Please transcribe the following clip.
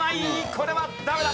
これはダメだ。